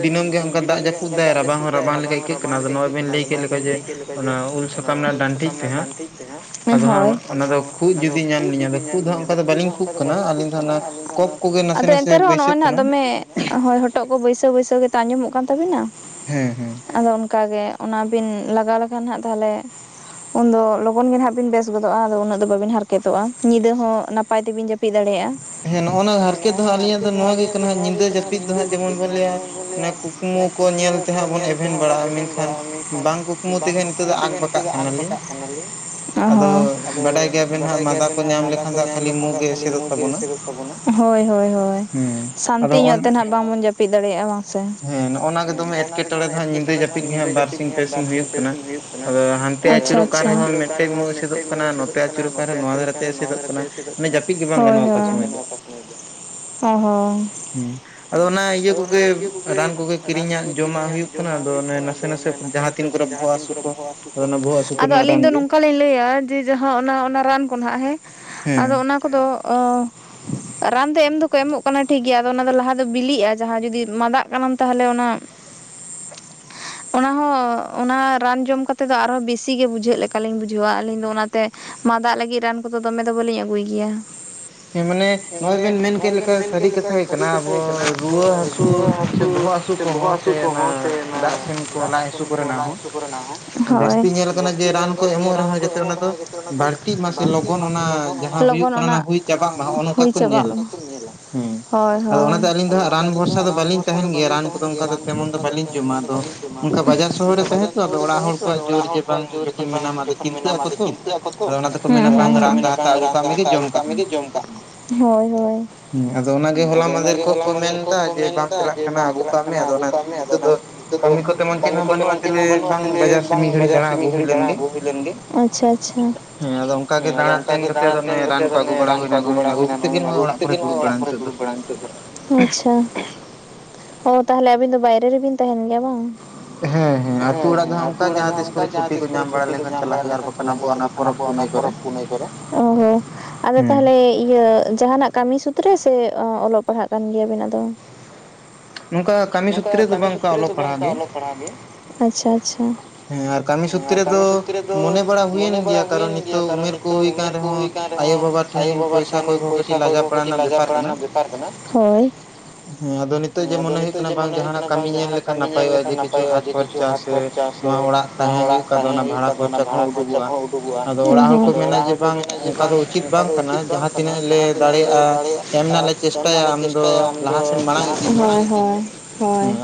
ᱫᱤᱹᱱᱟᱢ ᱜᱮ ᱚᱝᱠᱟ ᱫᱟᱜ ᱡᱟᱹᱯᱩᱫ ᱫᱟᱭ ᱨᱟᱵᱟᱝ ᱦᱚᱸ ᱨᱟᱵᱟᱝ ᱞᱮᱠᱟ ᱟ. ᱭᱠᱟᱹᱜ ᱠᱟᱱᱟ ᱟᱫᱚ ᱱᱚᱜ-ᱚᱭ ᱵᱮᱱ ᱞᱟᱹᱭ ᱠᱮᱫ ᱞᱮᱠᱟ ᱡᱮ ᱚᱱᱟ ᱩᱞ ᱥᱟᱠᱟᱢ ᱨᱮᱱᱟᱜ ᱰᱟᱹᱱᱴᱤᱡ ᱛᱮ ᱦᱟᱸᱜ ᱟᱫᱚ ᱦᱟᱸᱜ ᱚᱱᱟᱫᱚ ᱠᱷᱩᱜ ᱡᱩᱫᱤ ᱧᱟᱢ ᱞᱤᱧᱟ ᱟᱫᱚ ᱠᱷᱩᱜ ᱫᱚ ᱦᱟᱸᱜ ᱚᱝᱠᱟ ᱫᱚ ᱵᱟᱞᱤᱧ ᱠᱷᱩᱜ ᱠᱟᱱᱟ ᱟᱹᱞᱤᱧ ᱫᱚ ᱚᱱᱟ ᱠᱚᱯᱷ ᱟᱫᱚ ᱮᱱᱛᱮ ᱨᱮᱦᱚᱸ ᱱᱚᱸᱜᱼᱚᱭ ᱱᱟᱦᱟᱜ ᱫᱚᱢᱮ ᱦᱳᱭ ᱦᱚᱴᱚᱜ ᱠᱚ ᱵᱟᱹᱭᱥᱟᱹᱣ ᱵᱟᱹᱭᱥᱟᱹᱣ ᱜᱮᱛᱚ ᱟᱸᱡᱚᱢᱚᱜ ᱠᱟᱱ ᱛᱟᱵᱤᱱᱟ᱾ ᱦᱮᱸ ᱦᱮᱸ᱾ ᱟᱫᱚ ᱚᱱᱠᱟ ᱜᱮ ᱚᱱᱟᱵᱤᱱ ᱞᱟᱜᱟᱣ ᱞᱮᱠᱷᱟᱱ ᱦᱟᱸᱜ ᱛᱟᱦᱚᱞᱮ ᱩᱱᱫᱚ ᱞᱚᱜᱚᱱ ᱜᱮ ᱱᱟᱦᱟᱜ ᱵᱤᱱ ᱵᱮᱥ ᱜᱚᱫᱚᱜᱼᱟ ᱟᱫᱚ ᱩᱱᱟᱹᱜ ᱫᱚ ᱵᱟᱹᱵᱤᱱ ᱦᱟᱨᱠᱮᱛᱚᱜᱼᱟ ᱧᱤᱫᱟᱹ ᱦᱚᱸ ᱱᱟᱯᱟᱭ ᱛᱮᱵᱤᱱ ᱡᱟᱹ ᱯᱤᱫ ᱫᱟᱲᱮᱭᱟᱜᱼᱟ᱾ ᱱᱚᱜ-ᱚᱱᱟ ᱦᱟᱨᱠᱮᱛ ᱫᱚ ᱦᱟᱸᱜ ᱟᱹᱞᱤᱧᱟᱜ ᱫᱚ ᱱᱚᱣᱟ ᱜᱮ ᱠᱟᱱᱟ ᱧᱤᱫᱟᱹ ᱡᱟᱹᱯᱤᱫ ᱫᱚ ᱦᱟᱸᱜ ᱡᱮᱢᱚᱱ ᱵᱚᱱ ᱞᱟᱹᱭᱟ ᱢᱟᱱᱮ ᱠᱩᱠᱢᱩ ᱠᱚ ᱧᱮᱞ ᱛᱮ ᱦᱟᱸᱜ ᱵᱚᱱ ᱮᱵᱷᱮᱱ ᱵᱟᱲᱟᱜᱼᱟ ᱢᱮᱱᱠᱷᱟᱱ ᱵᱟᱝ ᱠᱩᱠᱢᱩ ᱛᱮ ᱮᱵᱷᱮᱱ ᱛᱮᱫᱚ ᱟᱸᱠᱵᱟᱠᱟᱜ ᱠᱟᱱᱟ ᱞᱤᱧ᱾ ᱦᱚᱸ ᱟᱫᱚ ᱵᱟᱰᱟᱭ ᱜᱮᱭᱟᱵᱮᱱ ᱦᱟᱸᱜ ᱢᱟᱫᱟ ᱠᱚ ᱧᱟᱢ ᱞᱮᱠᱷᱟᱱ ᱫᱚ ᱠᱷᱟᱹᱞᱤ ᱢᱩᱸ ᱜᱮ ᱮᱥᱮᱫᱚᱜ ᱛᱟᱵᱚᱱᱟ᱾ ᱦᱳᱭ ᱦᱳᱭ ᱦᱳᱭ᱾ ᱥᱟᱱᱛᱤ ᱧᱚᱜ ᱛᱮ ᱱᱟᱦᱟᱜ ᱵᱟᱝᱵᱚᱱ ᱡᱟᱹᱯᱤᱫ ᱫᱟᱲᱮᱭᱟᱜᱼᱟ ᱵᱟᱝ ᱥᱮ᱾ ᱦᱮᱸ ᱱᱚᱜᱼᱚᱱᱟ ᱜᱮ ᱫᱚᱢᱮ ᱮᱴᱠᱮᱴᱚᱬᱮ ᱫᱚ ᱦᱟᱸᱜ ᱧᱤᱫᱟᱹ ᱡᱟᱹᱯᱤᱫ ᱜᱮ ᱦᱟᱸᱜ ᱵᱟᱨᱥᱤᱧ ᱯᱮᱥᱤᱧ ᱦᱩᱭᱩᱜ ᱠᱟᱱᱟ᱾ ᱟᱪᱪᱷᱟ᱾ ᱥᱮᱜ ᱟᱪᱩᱨᱚᱜ ᱨᱮᱦᱚᱸ ᱢᱤᱫᱴᱮᱡ ᱢᱩᱸ ᱮᱥᱮᱫᱚᱜ ᱠᱟᱱᱟ ᱱᱚᱛᱮ ᱟᱹᱪᱩᱨᱚᱜ ᱠᱟᱱ ᱨᱮᱦᱚᱸ ᱱᱚᱣᱟ ᱫᱷᱟᱨᱮ ᱛᱮ ᱮᱥᱮᱫᱚᱜ ᱠᱟᱱᱟ᱾ ᱦᱳᱭ ᱦᱳᱭ, ᱦᱳᱭ᱾ ᱦᱩᱸ ᱟᱫᱚ ᱚᱱᱟ ᱤᱭᱟᱹ ᱠᱚᱜᱮ ᱨᱟᱱ ᱠᱚᱜᱮ ᱠᱤᱨᱤᱧᱟᱜ ᱡᱚᱢᱟᱜ ᱦᱩᱭᱩᱜ ᱠᱟᱱᱟ ᱟᱫᱚ ᱚᱱᱮ ᱱᱟᱥᱮ ᱱᱟᱥᱮ ᱥᱮ ᱡᱟᱦᱟᱸ ᱛᱤᱱ ᱠᱚᱨᱮ ᱵᱚᱦᱚᱜ ᱦᱟᱹᱥᱩᱲ ᱠᱚ, ᱟᱫᱚ ᱟᱹᱞᱤᱧ ᱫᱚ ᱱᱚᱝᱠᱟ ᱞᱤᱧ ᱞᱟᱹᱭᱟ ᱡᱤ ᱡᱟᱦᱟᱸ ᱚᱱᱟ ᱚᱱᱟ ᱨᱟᱱ ᱠᱚ ᱱᱟᱦᱟᱜ ᱦᱮᱸ ᱟᱫᱚ ᱚᱱᱟ ᱠᱚᱫᱚ ᱚ ᱨᱟᱱ ᱫᱚ ᱮᱢ ᱫᱚᱠᱚ ᱮᱢᱚᱜ ᱠᱟᱱᱟ ᱴᱷᱤᱠᱜᱮᱭᱟ ᱟᱫᱚ ᱚᱱᱟ ᱫᱚ ᱞᱟᱦᱟ ᱫᱚ ᱵᱤᱞᱤ-ᱼᱟ ᱡᱟᱦᱟᱸ ᱡᱩᱫᱤ ᱢᱟᱫᱟᱜ ᱠᱟᱱᱟᱢ ᱛᱟᱦᱚᱞᱮ ᱚᱱᱟ [inaudible] ᱚᱱᱟᱦᱚᱸ ᱚᱱᱟ ᱨᱟᱱ ᱡᱚᱢ ᱠᱟᱛᱮ ᱫᱚ ᱟᱨᱦᱚᱸ ᱵᱮᱥᱤ ᱜᱮ ᱵᱩᱡᱷᱟᱹᱜ ᱞᱮᱠᱟᱞᱤᱧ ᱵᱩᱡᱷᱟᱹᱣᱟ ᱟᱹᱞᱤᱧ ᱫᱚ ᱚᱱᱟᱛᱮ ᱢᱟᱫᱟᱜ ᱞᱟᱹᱜᱤᱫ ᱨᱟᱱ ᱠᱚᱫᱚ ᱫᱚᱢᱮ ᱫᱚ ᱵᱟᱹᱞᱤᱧ ᱟᱹᱜᱩᱭ ᱜᱮᱭᱟ ᱮ ᱢᱟᱱᱮ ᱱᱚᱜᱚᱭ ᱵᱮᱱ ᱢᱮᱱ ᱠᱮᱫ ᱞᱮᱠᱷᱟᱱ ᱥᱟᱹᱨᱤ ᱠᱟᱛᱷᱟ ᱜᱮ ᱠᱟᱱᱟ᱾ ᱟᱵᱚ ᱨᱩᱣᱟᱹ ᱦᱟᱹᱥᱩ ᱥᱮ ᱵᱚᱦᱚᱜ ᱦᱟᱹᱥᱩ ᱠᱚᱦᱚ ᱥᱮ ᱚᱱᱟ ᱫᱟᱜ ᱥᱮᱱ ᱠᱚ ᱞᱟᱡᱽ ᱦᱟᱹᱥᱩ ᱠᱚᱨᱮᱱᱟᱜ ᱦᱚᱸ ᱠᱚᱨᱮᱱᱟᱜ ᱦᱚᱸ ᱦᱳᱭ ᱡᱟᱹᱥᱛᱤ ᱧᱮᱞ ᱠᱟᱱᱟ ᱡᱮ ᱨᱟᱱ ᱠᱚ ᱮᱢᱚᱜ ᱨᱮᱦᱚᱸ ᱡᱟᱛᱮ ᱚᱱᱟ ᱫᱚ, ᱵᱟᱹᱲᱛᱤᱜ ᱢᱟ ᱥᱮ ᱞᱚᱜᱚᱱ ᱞᱚᱜᱚᱱ ᱚᱱᱟ ᱦᱩᱭ ᱪᱟᱵᱟᱜ ᱢᱟ ᱦᱳᱭ ᱦᱳᱭ ᱟᱫᱚ ᱚᱱᱟᱛᱮ ᱟᱹᱞᱤᱧ ᱫᱚ ᱦᱟᱸᱜ ᱨᱟᱱ ᱵᱷᱚᱨᱥᱟ ᱫᱚ ᱵᱟᱹᱞᱤᱧ ᱛᱟᱦᱮᱱ ᱜᱮᱭᱟ᱾ ᱨᱟᱱ ᱠᱚᱫᱚ ᱚᱱᱠᱟᱫᱚ ᱛᱮᱢᱚᱱ ᱫᱚ ᱵᱟᱹᱞᱤᱧ ᱚᱱᱟ ᱫᱚ ᱚᱱᱠᱟ ᱵᱟᱡᱟᱨ ᱥᱚᱦᱚ ᱠᱚᱨᱮ ᱛᱟᱦᱮ ᱛᱚ ᱟᱫᱚ ᱚᱲᱟᱜ ᱦᱚᱲ ᱠᱚᱣᱟᱜ ᱡᱳᱨ ᱡᱮ ᱵᱟᱝ ᱡᱚᱠᱷᱚᱱ ᱢᱮᱱᱟᱢᱟ ᱟᱫᱚ ᱪᱤᱱᱛᱟᱹᱜ ᱟᱠᱚ ᱛᱚ, ᱟᱫᱚ ᱚᱱᱟ ᱛᱮ ᱠᱚ ᱢᱮᱱᱟ ᱠᱟᱭᱨᱟ ᱟᱢ ᱡᱟᱦᱟᱴᱟᱜ ᱢᱮᱛᱟᱜ ᱢᱮᱜᱮ ᱡᱚᱢ ᱠᱟᱜ ᱦᱳᱭ ᱦᱳᱭ ᱦᱩ ᱟᱫᱚ ᱚᱱᱟᱜᱮ ᱦᱚᱞᱟ ᱢᱟᱦᱫᱷᱮᱨ ᱠᱚ ᱠᱚ ᱢᱮᱱᱫᱟ ᱡᱮ ᱵᱟᱢ ᱪᱟᱞᱟᱜ ᱠᱟᱱᱟ ᱟᱹᱜᱩ ᱠᱟᱜ ᱢᱮ᱾ ᱟᱫᱚ ᱚᱱᱟ ᱠᱚᱫᱚ ᱠᱟᱹᱢᱤ ᱠᱚ ᱛᱮᱢᱚᱱ ᱪᱤᱱ ᱦᱚᱸ ᱵᱟᱹᱱᱩᱜ-ᱟ᱾ ᱢᱟ ᱛᱟᱦᱞᱮ ᱵᱟᱝ ᱵᱟᱡᱟᱨ ᱥᱮᱱ ᱢᱤᱫ ᱜᱷᱟᱹᱲᱤ ᱫᱟᱬᱟ ᱟᱹᱜᱩ ᱦᱩᱭ ᱞᱮᱱ ᱜᱮ᱾ ᱟᱪᱪᱷᱟ ᱟᱪᱪᱷᱟ ᱦᱮᱸ ᱟᱫᱚ ᱚᱱᱠᱟ ᱜᱮ ᱫᱟᱬᱟ ᱥᱮᱱ ᱠᱟᱛᱮ ᱚᱱᱮ ᱨᱟᱱ ᱠᱚ ᱟᱹᱜᱩ ᱵᱟᱲᱟ ᱦᱩᱭᱱᱟ ᱱᱚᱜᱚᱭ ᱟᱹᱜᱩ ᱠᱟᱛᱮᱜ ᱜᱮ ᱱᱚᱜᱚᱭ ᱚᱲᱟᱜ ᱠᱚᱨᱮ ᱫᱩᱲᱩᱵ ᱵᱟᱲᱟ ᱱᱤᱛᱚᱜ ᱠᱟᱱᱟ ᱟᱪᱪᱷᱟ ᱚ ᱛᱟᱦᱟᱞᱮ ᱟᱵᱤᱱ ᱫᱚ ᱵᱟᱭᱨᱮ ᱨᱮᱵᱤᱱ ᱛᱟᱦᱮᱱ ᱜᱮᱭᱟ ᱵᱟᱝ? ᱦᱮᱸ ᱦᱮᱸ ᱟᱛᱩ ᱚᱲᱟᱜ ᱫᱚ ᱦᱟᱸᱜ ᱚᱱᱠᱟ ᱡᱟᱦᱟᱸ ᱛᱤᱥ ᱠᱚᱨᱮ ᱪᱷᱩᱴᱤ ᱠᱚ ᱧᱟᱢ ᱵᱟᱲᱟ ᱞᱮᱠᱷᱟᱱ ᱪᱟᱞᱟᱜ ᱦᱩᱭᱩᱜ-ᱟ ᱟᱨ ᱵᱟᱠᱷᱟᱱ ᱟᱵᱚᱣᱟᱜ ᱚᱱᱟ ᱯᱚᱨᱚᱵᱽ ᱯᱩᱱᱟᱹᱭ ᱠᱚᱨᱮ᱾ ᱠᱚᱫᱚ ᱚ ᱦᱚ ᱟᱫᱚ ᱛᱟᱦᱟᱞᱮ ᱤᱭᱟᱹ ᱡᱟᱦᱟᱱᱟᱜ ᱠᱟᱹᱢᱤ ᱥᱩᱛᱨᱮ ᱥᱮ ᱚᱞᱚᱜ ᱯᱟᱲᱦᱟᱜ ᱠᱟᱱ ᱜᱮᱭᱟ ᱵᱤᱱ ᱟᱫᱚ? ᱱᱚᱝᱠᱟ ᱠᱟᱹᱢᱤ ᱥᱩᱛᱨᱮ ᱫᱚ ᱵᱟᱝ ᱚᱱᱠᱟ ᱚᱞᱚᱜ ᱯᱟᱲᱦᱟᱣ ᱜᱮ᱾ ᱟᱪᱪᱷᱟ ᱟᱪᱪᱷᱟ ᱟᱨ ᱠᱟᱹᱢᱤ ᱥᱩᱛᱨᱮ ᱫᱚ, ᱢᱚᱱᱮ ᱵᱟᱲᱟ ᱦᱩᱭᱮᱱ ᱜᱮᱭᱟ ᱠᱟᱨᱚᱱ ᱱᱤᱛᱚᱜ ᱩᱢᱮᱨ ᱠᱚ ᱦᱩᱭ ᱠᱟᱱ ᱨᱮᱦᱚᱸ ᱟᱭᱳ ᱵᱟᱵᱟ ᱴᱷᱮᱱ ᱯᱚᱭᱥᱟ ᱠᱚᱭ ᱠᱚ ᱠᱟᱹᱴᱤᱡ ᱞᱟᱡᱟ ᱯᱟᱲᱟ ᱨᱮᱱᱟᱜ ᱵᱮᱯᱟᱨ ᱠᱟᱱᱟ᱾ ᱦᱳᱭ ᱦᱮᱸ ᱟᱫᱚ ᱱᱤᱛᱚᱜ ᱡᱮ ᱢᱚᱱᱮ ᱦᱩᱭᱩᱜ ᱠᱟᱱᱟ ᱵᱟᱝ ᱡᱟᱦᱟᱱᱟᱜ ᱠᱟᱹᱢᱤ ᱞᱮᱠᱷᱟᱱ ᱱᱟᱯᱟᱭᱚᱜᱼᱟ ᱡᱮ ᱠᱤᱪᱷᱩ ᱦᱟᱛ ᱠᱷᱚᱨᱪᱟ ᱥᱮ ᱡᱟᱦᱟ ᱚᱲᱟᱜ ᱛᱟᱦᱮᱸ ᱦᱩᱭᱩᱜ ᱠᱟᱱ ᱚᱱᱟ ᱵᱷᱟᱲᱟ ᱠᱷᱚᱨᱪᱟ ᱠᱚ ᱦᱚᱸ ᱩᱰᱩᱠᱚᱜᱼᱟ᱾ ᱦᱮᱸ ᱦᱮᱸ ᱟᱫᱚ ᱚᱲᱟᱜ ᱦᱚᱲ ᱠᱚ ᱢᱮᱱᱟᱮᱜ-ᱟ ᱡᱮ ᱚᱱᱠᱟ ᱫᱚ ᱩᱪᱤᱛ ᱵᱟᱝ ᱠᱟᱱᱟ ᱡᱟᱦᱟᱸ ᱛᱤᱱᱟᱹᱜ ᱞᱮ ᱫᱟᱲᱮᱭᱟᱜ-ᱟ, ᱮᱢ ᱨᱮᱱᱟᱜ ᱞᱮ ᱪᱮᱥᱴᱟᱭᱟ ᱟᱢ ᱫᱚ ᱞᱟᱦᱟ ᱦᱳᱭ ᱦᱳᱭ ᱦᱳᱭ ᱦᱩ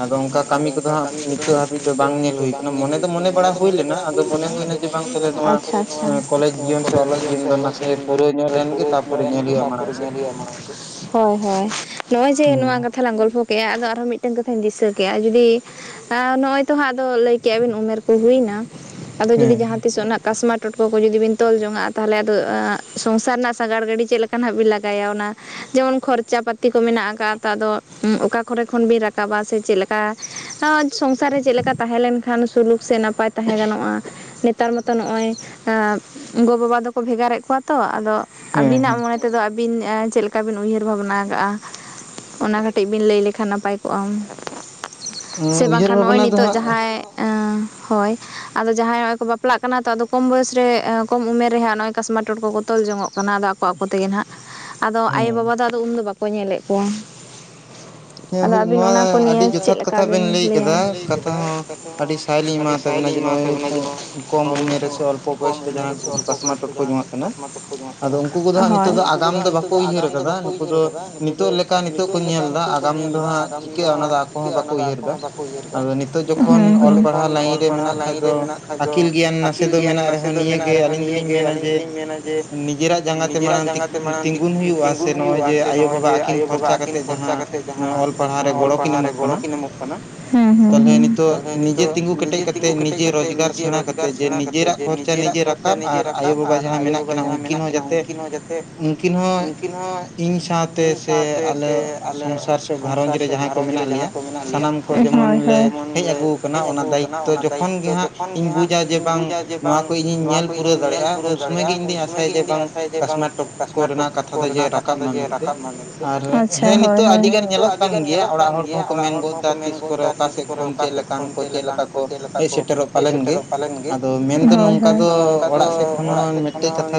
ᱟᱫᱚ ᱚᱱᱠᱟ ᱠᱟᱹᱢᱤ ᱠᱚᱫᱚ ᱦᱟᱸᱜ ᱱᱤᱛᱚᱜ ᱦᱟᱹᱵᱤᱡ ᱫᱚ ᱵᱟᱝ ᱵᱟᱝ ᱧᱮᱞ ᱦᱩᱭ ᱠᱟᱱᱟ᱾ ᱢᱚᱱᱮ ᱫᱚ ᱢᱚᱱᱮ ᱵᱟᱲᱟ ᱦᱩᱭ ᱞᱮᱱᱟ ᱟᱫᱚ ᱢᱚᱱᱮ ᱦᱩᱭᱱᱟ ᱡᱮ ᱟᱪᱪᱷᱟ ᱟᱪᱪᱷᱟ ᱮᱜ ᱱᱚᱣᱟ ᱠᱚᱞᱮᱡᱽ ᱡᱤᱭᱚᱱ ᱥᱮ ᱟᱠᱩ ᱥᱮ ᱯᱩᱨᱟᱹ ᱧᱚᱜ ᱞᱮᱱ ᱜᱮ ᱛᱟᱯᱚᱛᱮ ᱮᱱᱜᱮ ᱛᱟᱯᱚᱨᱮ ᱧᱮᱞ ᱦᱩᱭᱩᱜ-ᱟ ᱢᱟᱬᱟᱝᱥᱮᱫ ᱦᱳᱭ ᱦᱳᱭ ᱱᱚᱜᱚᱭ ᱡᱮ ᱱᱚᱣᱟ ᱜᱟᱵ ᱛᱷᱟᱞᱟᱝ ᱜᱚᱞᱯᱚ ᱠᱮᱜ-ᱟ ᱟᱫᱚ ᱟᱨᱦᱚᱸ ᱢᱤᱫᱴᱮᱱ ᱠᱟᱛᱷᱟᱧ ᱫᱤᱥᱟᱹ ᱠᱮᱜᱼᱟ᱾ ᱡᱩᱫᱤ ᱛᱟᱣ ᱱᱚᱜᱚᱭ ᱛᱚ ᱦᱟᱸᱜ ᱟᱫᱚ ᱞᱟᱹᱭ ᱠᱮᱜ-ᱟ ᱵᱤᱱ ᱩᱢᱮᱨ ᱠᱚ ᱦᱩᱭᱱᱟ ᱟᱫᱚ ᱡᱩᱫᱤ ᱡᱟᱦᱟᱸ ᱛᱤᱥᱚᱝ ᱱᱟᱜ ᱚᱱᱟ ᱠᱟᱫ ᱢᱟᱨ ᱴᱚᱴᱠᱚ ᱠᱚ ᱡᱩᱫᱤ ᱵᱤᱱ ᱛᱚᱞ ᱡᱚᱝᱟᱜ-ᱟ ᱛᱟᱦᱚᱞᱮ ᱟᱫᱚ ᱥᱚᱝᱥᱟᱨ ᱨᱮᱱᱟᱜ ᱥᱟᱜᱟᱲ ᱜᱟᱹᱰᱤ ᱪᱮᱫ ᱞᱮᱠᱟ ᱱᱟᱦᱟᱜ ᱵᱤᱱ ᱞᱟᱜᱟᱭᱟ? ᱚᱱᱟ ᱡᱮᱢᱚᱱ ᱠᱷᱚᱨᱪᱟ ᱯᱟᱛᱤ ᱠᱚ ᱢᱮᱱᱟᱜ ᱟᱠᱟᱜ-ᱟ ᱩᱜ ᱟᱫᱚ ᱚᱠᱟ ᱠᱚᱨᱮ ᱠᱷᱚᱱ ᱵᱤᱱ ᱨᱟᱠᱟᱵᱟ ᱥᱮ ᱪᱮᱫ ᱞᱮᱠ ᱠᱟ ᱟ ᱥᱚᱝᱥᱟᱨ ᱨᱮ ᱪᱮᱫ ᱞᱮᱠᱟ ᱛᱟᱦᱮᱸ ᱞᱮᱱᱠᱷᱟᱱ ᱥᱩᱞᱩᱠ ᱥᱮ ᱱᱟᱯᱟᱭ ᱛᱟᱦᱮᱸ ᱜᱟᱱᱚᱜ-ᱟ? ᱱᱮᱛᱟᱨ ᱢᱚᱛᱚ ᱱᱚᱜᱚᱭ ᱟᱻ ᱜᱚᱵᱟᱵᱟ ᱫᱚᱠᱚ ᱵᱷᱮᱜᱟᱨᱮᱫ ᱠᱚᱣᱟ ᱛᱚ᱾ ᱟᱫᱚ ᱟᱵᱤᱱᱟᱜ ᱢᱚᱱᱮ ᱛᱮᱫᱚ ᱟᱹᱵᱤᱱ ᱪᱮᱫ ᱞᱮᱠᱟ ᱵᱤᱱ ᱩᱭᱦᱟᱹᱨ ᱵᱷᱟᱵᱱᱟ ᱠᱟᱜ-ᱟ? ᱚᱱᱟ ᱠᱟᱹᱴᱤᱡ ᱵᱤᱱ ᱞᱟᱹᱭ ᱞᱮᱠᱷᱟᱱ ᱱᱟᱯᱟᱭ ᱠᱚᱜ-ᱟᱢ᱾ ᱚ, ᱩᱭᱦᱟᱹᱨ ᱵᱷᱟᱵᱱᱟ ᱫᱚ ᱦᱟᱸᱜ ᱦᱳᱭ, ᱟᱫᱚ ᱡᱟᱦᱟᱸᱭ ᱱᱚᱜ-ᱚᱭ ᱠᱚ ᱵᱟᱯᱞᱟᱜ ᱠᱟᱱᱟ ᱛᱚ, ᱟᱫᱚ ᱠᱚᱢ ᱵᱚᱭᱚᱥ ᱨᱮ ᱮ ᱠᱚᱢ ᱩᱢᱮᱨ ᱨᱮᱦᱟᱸᱜ ᱱᱚᱜ-ᱚᱭ ᱠᱟᱥᱢᱟ ᱴᱚᱴᱠᱚ ᱠᱚ ᱛᱚᱞ ᱡᱚᱝᱚᱜ ᱠᱟᱱᱟ ᱟᱫᱚ ᱟᱠᱚ ᱟᱠᱚ ᱛᱮᱜᱮ ᱱᱦᱟᱜ ᱟᱫᱚ ᱟᱭᱚ ᱵᱟᱵᱟ ᱫᱚ ᱟᱫᱚ ᱩᱱ ᱫᱚ ᱵᱟᱠᱚ ᱧᱮᱞᱮᱫ ᱠᱚᱣᱟ᱾ ᱟᱫᱚ ᱟᱹᱵᱤᱱ ᱚᱱᱟ ᱠᱚ ᱱᱤᱭᱮ ᱪᱮᱫ ᱞᱮᱠᱟ ᱵᱤᱱ ᱞᱟᱹᱭᱟ? ᱞᱟᱹᱭ ᱠᱮᱫᱟ ᱠᱟᱛᱷᱟ ᱦᱚᱸ ᱟᱹᱰᱤ ᱥᱟᱭ ᱞᱤᱧ ᱮᱢᱟᱣ ᱛᱟᱵᱮᱱᱟ᱾ ᱡᱮᱱᱚ ᱦᱚᱸᱜ-ᱚᱭ ᱠᱚᱢ ᱩᱢᱮᱨ ᱨᱮ ᱠᱚ ᱚᱞᱯᱚ ᱵᱚᱭᱚᱥ ᱨᱮ ᱡᱟᱦᱟᱸ ᱠᱚ [unintelligible] ᱦᱚᱭ ᱩᱱᱠᱩ ᱠᱚ ᱫᱚ ᱦᱟᱸᱜ ᱱᱤᱛᱳᱜ ᱫᱚ ᱟᱜᱟᱢ ᱫᱚ ᱵᱟᱠᱚ ᱩᱭᱦᱟᱹᱨ ᱠᱟᱫᱟ ᱱᱩᱠᱩ ᱫᱚ ᱱᱤᱛᱚᱜ ᱞᱮᱠᱟ ᱱᱤᱛᱚᱜ ᱧᱮᱞᱫᱟ ᱟᱜᱟᱢ ᱫᱚ ᱦᱟᱸᱜ ᱪᱤᱠᱟᱹᱜ-ᱟ ᱚᱱᱟ ᱫᱚ ᱟᱠᱚ ᱦᱚᱸ ᱵᱟᱠᱚ ᱩᱭᱦᱟᱹᱨ ᱮᱫᱟ, ᱡᱚᱛᱚ ᱠᱷᱚᱱ ᱚᱞ ᱯᱟᱲᱦᱟᱣ ᱞᱟᱭᱤᱱ ᱠᱮ ᱢᱮᱱᱟᱜ ᱠᱷᱟᱡ ᱫᱚ ᱟᱹᱠᱤᱞ ᱜᱮᱭᱟᱱ ᱱᱟᱥᱮ ᱫᱚ ᱢᱮᱱᱟᱜ ᱠᱟᱜ ᱨᱮ ᱦᱚ ᱱᱤᱭᱟᱹᱜᱮ ᱟᱹᱞᱤᱧ ᱫᱚᱞᱤᱧ ᱢᱮᱱᱟ ᱡᱮ ᱱᱤᱡᱮᱨᱟᱜ ᱡᱟᱸᱜᱟ ᱛᱮ ᱢᱟᱲᱟᱝ ᱛᱤᱸᱜᱩᱱ ᱦᱩᱭᱩᱜ-ᱟ, ᱥᱮ ᱱᱚᱜ-ᱚᱭ ᱡᱮ ᱟᱭᱳ ᱵᱟᱵᱟ ᱟᱹᱠᱤᱱ ᱠᱷᱚᱨᱪᱟ ᱠᱟᱛᱮᱫ ᱡᱟᱦᱟᱸ ᱱᱚᱣᱟ ᱚᱞ ᱯᱟᱲᱦᱟᱣ ᱨᱮ ᱜᱚᱲᱚ ᱠᱤᱱ ᱮᱢᱚᱜ ᱠᱟᱱᱟ, ᱛᱟᱦᱞᱮ ᱱᱤᱛᱳᱜ ᱱᱤᱡᱮ ᱛᱤᱸᱜᱩ ᱠᱮᱴᱮᱡ ᱠᱟᱛᱮᱜ, ᱱᱤᱡᱮ ᱨᱳᱡᱽᱜᱟᱨ ᱥᱮᱬᱟ ᱠᱟᱛᱮᱜ ᱡᱮ ᱱᱤᱡᱮᱨᱟᱜ ᱠᱷᱚᱨᱪᱟ ᱱᱤᱡᱮ ᱨᱟᱠᱟᱵ ᱟᱨ ᱟᱭᱳ-ᱵᱟᱵᱟ ᱡᱟᱦᱟᱸ ᱢᱮᱱᱟᱜ ᱠᱟᱱᱟ ᱩᱝᱠᱤᱱ ᱦᱚᱸ ᱡᱟᱛᱮ ᱩᱝᱠᱤᱱ ᱦᱚᱸ ᱤᱧ ᱥᱟᱶᱛᱮ ᱥᱮ ᱟᱞᱮ ᱥᱚᱝᱥᱟᱨ ᱥᱮ ᱜᱷᱟᱨᱚᱸᱡᱽ ᱨᱮ ᱡᱟᱦᱟᱸ ᱠᱚ ᱢᱮᱱᱟᱜ ᱞᱮᱭᱟ ᱮᱢᱚᱱ ᱞᱮ ᱦᱮᱡ ᱟᱹᱜᱩᱣ ᱠᱟᱱᱟ ᱚᱱᱟ ᱫᱟᱭᱤᱛᱛᱚ ᱡᱚᱠᱷᱚᱱ ᱜᱮ ᱦᱟᱸᱜ ᱤᱧ ᱵᱩᱡᱟ ᱡᱮ ᱵᱟᱝ ᱱᱚᱣᱟ ᱠᱚ ᱤᱧᱤᱧ ᱧᱮᱞ ᱯᱩᱨᱟᱹᱣ ᱫᱟᱲᱮᱭᱟᱜ-ᱟ ᱩᱱ ᱥᱚᱢᱜᱟᱹᱭ ᱜᱮ ᱤᱧ ᱟᱥᱟᱭ ᱡᱮ ᱵᱟᱝ ᱠᱟᱥᱢᱟᱨ ᱴᱚᱴᱠᱚ ᱨᱮᱱᱟᱜ ᱠᱟᱛᱷᱟ ᱫᱚ ᱡᱮ ᱨᱟᱠᱟᱵ ᱢᱟ ᱢᱮᱱᱛᱮ ᱟᱪᱪᱷᱟ ᱦᱳᱭ, ᱱᱮᱜ ᱮ ᱱᱤᱛᱳᱜ ᱟᱹᱰᱤᱜᱟᱱ ᱧᱮᱞᱚᱜ ᱠᱟᱱ ᱜᱮᱭᱟ ᱚᱲᱟᱜ ᱦᱚᱲ ᱠᱚᱦᱚᱸ ᱠᱚ ᱢᱮᱱ ᱜᱚᱫᱽ ᱫᱟ ᱛᱤᱥ ᱠᱚᱨᱮ ᱚᱠᱟ ᱥᱮᱫ ᱠᱷᱚᱱ ᱪᱮᱫ ᱞᱮᱠᱟᱱ ᱠᱚ ᱪᱮᱫ ᱞᱮᱠᱟ ᱠᱚ ᱦᱮᱡ ᱥᱮᱴᱮᱨᱚᱜ ᱯᱟᱞᱮᱱ ᱜᱮ, ᱦᱳᱭ ᱦᱳᱭ, ᱱᱚᱝᱠᱟ ᱫᱚ ᱚᱲᱟᱜ ᱥᱮᱫ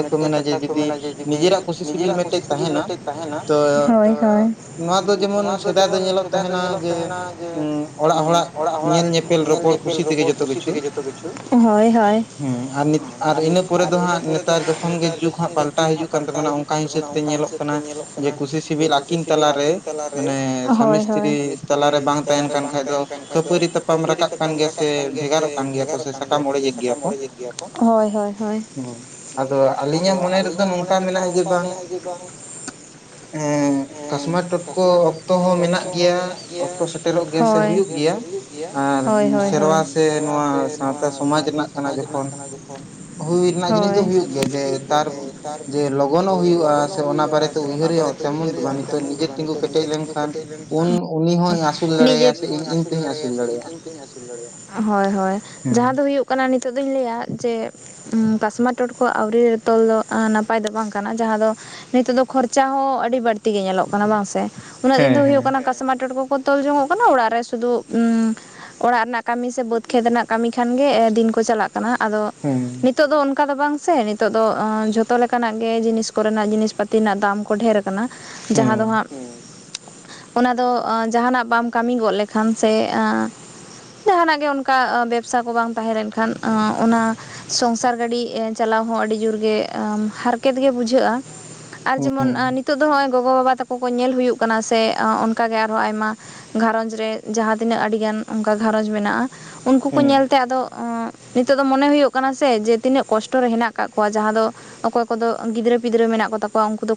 ᱢᱤᱜᱴᱮᱡ ᱠᱟᱛᱷᱟ ᱠᱚ ᱢᱮᱱᱟ ᱡᱮ ᱡᱩᱫᱤ ᱱᱤᱡᱮᱨᱟᱜ ᱠᱩᱥᱤ ᱥᱤᱵᱤᱞ ᱢᱤᱫᱴᱮᱡ ᱛᱟᱦᱮᱱᱟ, ᱦᱳ ᱳᱭ ᱦᱚᱭ, ᱱᱚᱣᱟ ᱫᱚ ᱡᱮᱢᱚᱱ ᱥᱮᱫᱟᱭ ᱫᱚ ᱧᱮᱞᱚᱜ ᱛᱟᱦᱮᱱᱟ ᱡᱮ ᱚᱲᱟᱜ ᱦᱚᱲᱟᱜ ᱧᱮᱞ ᱧᱮᱯ ᱯᱮᱞ ᱨᱚᱯᱚᱲ ᱠᱩᱥᱤ ᱛᱮ ᱜᱮ ᱡᱚᱛᱚ ᱠᱤᱪᱷᱩ ᱦᱳᱭ ᱦᱳᱭ ᱟᱨ ᱤᱱᱟᱹ ᱯᱚᱨᱮ ᱫᱚ ᱦᱟᱜ ᱱᱮᱛᱟᱨ ᱡᱚᱠᱷᱚᱱ ᱜᱮ ᱡᱩᱜᱽ ᱦᱟᱜ ᱯᱟᱞᱴᱟᱣ ᱦᱤᱡᱩᱜ ᱠᱟᱱ ᱛᱟᱵᱚᱱᱟ, ᱚᱝᱠᱟ ᱦᱤᱥᱟᱹᱵ ᱛᱮ ᱧᱮᱞᱚᱜ ᱠᱟᱱᱟ ᱡᱮ ᱠᱩᱥᱤ ᱥᱤᱵᱤᱞ ᱟᱹᱠᱤᱱ ᱛᱟᱞᱟᱨᱮ ᱦᱳᱭ ᱦᱳᱭ ᱥᱟᱢᱤ ᱥᱛᱨᱤ ᱛᱟᱞᱟᱨᱮ ᱵᱟᱝ ᱛᱟᱦᱮᱱ ᱠᱟᱱ ᱠᱷᱟᱡ ᱫᱚ, ᱠᱷᱟᱹᱯᱟᱹᱨᱤ ᱛᱟᱯᱟᱢ ᱨᱟᱠᱟᱵ ᱠᱟᱱ ᱜᱮᱭᱟ ᱥᱮ, ᱵᱷᱮᱜᱟᱨᱚᱜ ᱠᱟᱱ ᱜᱮᱭᱟ ᱠᱚ ᱥᱮ ᱥᱟᱠᱟᱢ ᱚᱲᱮᱡᱮᱜ ᱜᱮᱭᱟ ᱠᱚ, ᱦᱚᱭ ᱦᱚᱭ ᱦᱚᱭ᱾ ᱟᱫᱚ ᱟᱹᱞᱤᱧ ᱛᱚ ᱟᱹᱞᱤᱧᱟᱜ ᱢᱚᱱᱮ ᱨᱮᱫᱚ ᱱᱚᱝᱠᱟ ᱢᱮᱱᱟᱜ-ᱟ ᱡᱮ ᱵᱟᱝ ᱦᱮ ᱠᱚᱥᱢᱟ ᱠᱚᱥᱴᱚ ᱠᱚ ᱚᱠᱛᱚ ᱦᱚᱸ ᱢᱮᱱᱟᱜ ᱜᱮᱭᱟ, ᱦᱚᱭ ᱜᱮᱭᱟ, ᱦᱚᱭ ᱦᱚᱭ ᱦᱚᱭ, ᱥᱮᱨᱣᱟ ᱥᱮ ᱱᱚᱣᱟ ᱥᱟᱶᱛᱟ ᱥᱚᱢᱟᱡᱽ ᱨᱮᱱᱟᱜ ᱠᱟᱱᱟ ᱡᱚᱠᱷᱚᱱ, ᱦᱩᱭ ᱨᱮᱱᱟᱜ ᱡᱤᱱᱤᱥ ᱫᱚ ᱦᱩᱭᱩᱜ ᱜᱮᱭᱟ ᱡᱮ ᱛᱟᱨ ᱡᱮ ᱞᱚᱜᱚᱱᱚᱜ ᱦᱩᱭᱩᱜ-ᱟ ᱥᱮ ᱚᱱᱟ ᱵᱟᱨᱮᱛᱮ ᱩᱭᱦᱟᱹᱨ ᱦᱩᱭᱩᱜ-ᱟ ᱛᱮᱢᱚᱱ ᱫᱚ ᱵᱟᱝ ᱱᱤ ᱛᱚ ᱱᱤᱡᱮ ᱛᱤᱸᱜᱩ ᱠᱮᱴᱮᱡ ᱞᱮᱝᱠᱷᱟᱱ ᱩᱱ ᱩᱱᱤ ᱦᱚᱧ ᱟᱹᱥᱩᱞ ᱫᱟᱲᱮᱟᱭᱟ ᱥᱮ ᱤᱧ ᱤᱧ ᱛᱮᱦᱚᱧ ᱟᱹᱥᱩᱞ ᱫᱟᱲᱮᱭᱟᱜ-ᱟ᱾ ᱦᱚᱭ ᱦᱚᱭ ᱡᱟᱦᱟᱸ ᱫᱚ ᱦᱩᱭᱩᱜ ᱠᱟᱱᱟ ᱱᱤᱛᱳᱜ ᱫᱩᱧ ᱞᱟᱹᱭᱟ ᱡᱮ ᱠᱟᱥᱢᱟᱨ ᱴᱚᱴᱠᱚ ᱟᱹᱣᱨᱤ ᱛᱚᱞ ᱫᱚ ᱱᱟᱯᱟᱭ ᱫᱚ ᱵᱟᱝ ᱠᱟᱱᱟ᱾ ᱡᱟᱦᱟᱸ ᱫᱚ ᱱᱤᱛᱳᱜ ᱫᱚ ᱠᱷᱚᱨᱪᱟ ᱦᱚᱸ ᱟᱹᱰᱤ ᱵᱟᱹᱲᱛᱤ ᱜᱮ ᱧᱮᱞᱚᱜ ᱠᱟᱱᱟ ᱵᱟᱝ ᱥᱮ, ᱩᱱᱟᱹᱜ ᱫᱤᱱ ᱫᱚ ᱦᱩᱭᱩᱜ ᱠᱟᱱᱟ ᱠᱟᱥᱢᱟᱨ ᱴᱚᱴ ᱠᱚ ᱠᱚ ᱛᱚᱞ ᱡᱚᱝᱚᱜ ᱠᱟᱱᱟ ᱚᱲᱟᱜ ᱨᱮ ᱥᱩᱫᱩ ᱚᱲᱟᱜ ᱨᱮᱱᱟᱜ ᱠᱟᱹᱢᱤ ᱥᱮ ᱵᱟᱹᱫᱽ ᱠᱷᱮᱛ ᱨᱮᱱᱟᱜ ᱠᱟᱹᱢᱤ ᱠᱷᱟᱱᱜᱮ ᱫᱤᱱ ᱠᱚ ᱪᱟᱞᱟᱜ ᱠᱟᱱᱟ ᱟᱫᱚ, ᱱᱤᱛᱳᱜ ᱫᱚ ᱚᱱᱠᱟ ᱫᱚ ᱵᱟᱝ ᱥᱮ, ᱱᱤ ᱱᱤᱛᱳᱜ ᱫᱚ ᱡᱷᱚᱛᱚ ᱞᱮᱠᱟᱱᱟᱜ ᱜᱮ ᱡᱤᱱᱤᱥ ᱠᱚᱨᱮᱱᱟᱜ ᱡᱤᱱᱤᱥ ᱯᱟᱹᱛᱤ ᱨᱮᱱᱟᱜ ᱫᱟᱢ ᱠᱚ ᱰᱷᱮᱨ ᱠᱟᱱᱟ ᱡᱟᱦᱟᱸ ᱫᱚ ᱦᱟᱸᱜ ᱚᱱᱟ ᱫᱚ ᱡᱟᱸᱦᱟ ᱱᱟᱜ ᱵᱟᱢ ᱠᱟᱹᱢᱤ ᱜᱚᱫ ᱞᱮᱠᱷᱟᱱ ᱥᱮ ᱡᱟᱦᱱᱟᱜ ᱜᱮ ᱚᱱᱠᱟ ᱵᱮᱵᱥᱟ ᱠᱚ ᱵᱟᱝ ᱛᱟᱦᱮᱸ ᱞᱮᱱᱠᱷᱟᱱ ᱮ ᱚᱱᱟ ᱥᱚᱝᱥᱟᱨ ᱜᱟᱹᱰᱤ ᱪᱟᱞᱟᱣ ᱦᱚᱸ ᱟᱹᱰᱤ ᱡᱳᱨ ᱜᱮ ᱦᱟᱨᱠᱮᱛ ᱜᱮ ᱵᱩᱡᱷᱟᱹᱜ-ᱟ᱾ ᱟᱨ ᱡᱮᱢᱚᱱ ᱱᱤᱛᱳᱜ ᱫᱚ ᱦᱚᱜᱚᱭ ᱜᱚᱜᱚ ᱵᱟᱵᱟ ᱛᱟᱠᱚ ᱠᱚ ᱧᱮᱞ ᱦᱩᱭᱩᱜ ᱠᱟᱱᱟ, ᱥᱮ ᱚᱱᱠᱟ ᱜᱮ ᱟᱨᱦᱚᱸ ᱟᱭᱢᱟ ᱜᱷᱟᱸᱨᱚᱧᱡᱽ ᱨᱮ ᱡᱟᱦᱟᱸ ᱛᱤᱱᱟᱹᱜ ᱟᱹᱰᱤᱜᱟᱱ ᱚᱝᱠᱟ ᱜᱷᱟᱸᱨᱚᱧᱡᱽ ᱢᱮᱱᱟᱜ-ᱟ᱾ ᱩᱱᱠᱩ ᱠᱚ ᱧᱮᱞᱛᱮ ᱟᱫᱚ ᱱᱤᱛᱳᱜ ᱫᱚ ᱢᱚᱱᱮ ᱦᱳᱭᱳᱜ ᱠᱟᱱᱟ ᱥᱮ ᱡᱮ ᱛᱤᱱᱟᱹᱜ ᱠᱚᱥᱴᱚ ᱨᱮ ᱦᱮᱱᱟᱜ ᱠᱟᱜ ᱠᱚᱣᱟ ᱡᱟᱦᱟᱸ ᱫᱚ ᱚᱠᱚᱭ ᱠᱚᱫᱚ ᱜᱤᱫᱽᱨᱟᱹ ᱯᱤᱫᱽᱨᱟᱹ ᱢᱮᱱᱟᱜ ᱠᱚᱛᱟ ᱠᱚᱣᱟ ᱩᱝᱠᱩ ᱫᱚ